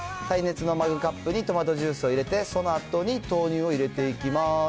耐熱のマグカップにトマトジュースを入れて、そのあとに豆乳を入れていきます。